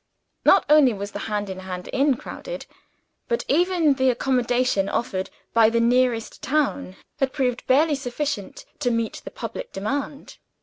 Not only was the Hand in Hand inn crowded, but even the accommodation offered by the nearest town had proved barely sufficient to meet the public demand.